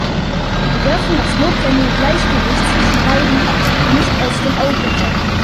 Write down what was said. Wir dürfen das notwendige Gleichgewicht zwischen beiden nicht aus dem Auge verlieren.